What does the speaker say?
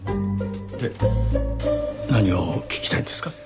で何を聞きたいんですか？